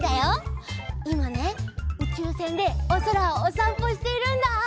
いまねうちゅうせんでおそらをおさんぽしているんだ！